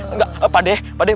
enggak pak deh pak deh